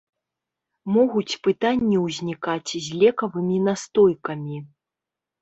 Могуць пытанні ўзнікаць з лекавымі настойкамі.